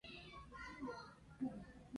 Sus extremos tienen dos vanos para las campanas.